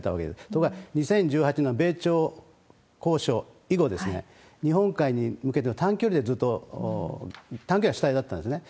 ところが２０１８年の米朝交渉以後、日本海に向けての短距離でずっと、短距離が主体だったんですね。